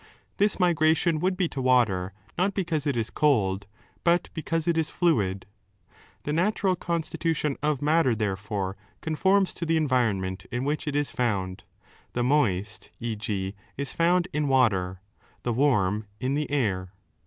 This migration would be to water not because it is cold, but because it ijis fluid. The natural constitution of matter, therefore, conforms to the environment in which OHAP.xiv. HBAT AND ENVIRONMENT 317 it is found — ^the moist, t,g. is found in water, the warm 8 in the air.